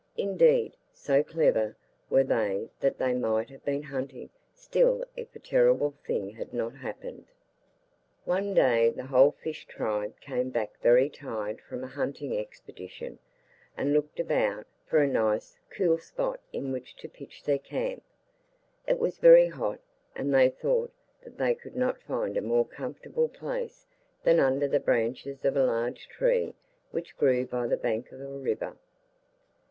Indeed, so clever were they that they might have been hunting still if a terrible thing had not happened. One day the whole fish tribe came back very tired from a hunting expedition, and looked about for a nice, cool spot in which to pitch their camp. It was very hot, and they thought that they could not find a more comfortable place than under the branches of a large tree which grew by the bank of a river.